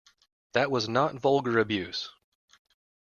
That was not vulgar abuse.